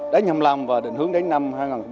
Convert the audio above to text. đến hai mươi năm và định hướng đến năm hai nghìn ba mươi